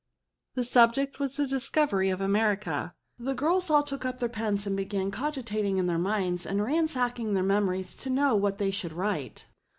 The subject was the discovery of America. The girls all took up their pens, and began cogitating in their minds, and ransacking their memories to know what they should write.